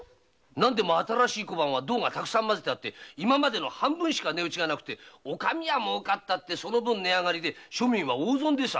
何でも新しい小判は銅が多くて今までの半分しか値打ちがなくお上は儲かったって値上がりで庶民は大損でさ！